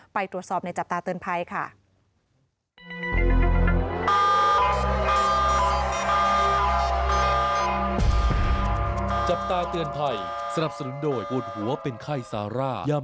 ไปตรวจสอบในจับตาเตือนภัยค่ะ